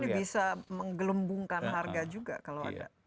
karena ini bisa menggelumbungkan harga juga